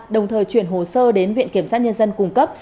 đồng thời chuyển hồ sơ đến viện kiểm sát nhân dân cung cấp